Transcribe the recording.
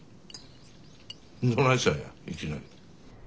どないしたんやいきなり。